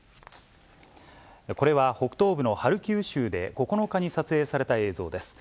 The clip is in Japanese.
これは、北東部のハルキウ州で９日に撮影された映像です。